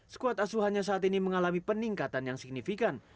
skuad asuhannya saat ini mengalami peningkatan yang signifikan